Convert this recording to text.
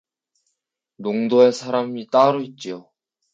농도 할 사람이 따로 있지요.